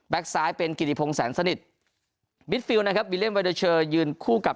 แบ็คซ้ายเป็นกิริพงษ์แสนสนิทบิทฟิลนะครับยืนคู่กับ